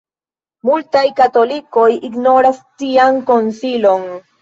Multaj katolikoj ignoras tian konsilon.